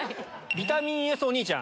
ビタミンＳ・お兄ちゃん。